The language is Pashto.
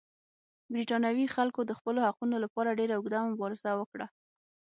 برېټانوي خلکو د خپلو حقونو لپاره ډېره اوږده مبارزه وکړه.